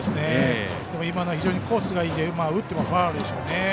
今のは非常にコースがいいので打ってもファウルでしょうね。